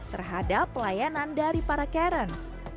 terhadap pelayanan dari para karens